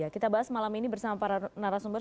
kita bahas malam ini bersama para narasumber